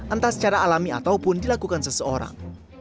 entah secara alami ataupun dilakukan seseorang